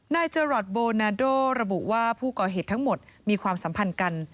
นายจรัสโบนาโดระบุว่าผู้ก่อเหตุทั้งหมดมีความสัมพันธ์กัน